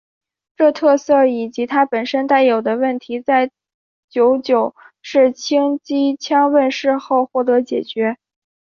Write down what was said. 这特色以及它本身带有的问题在九九式轻机枪问世后获得解决。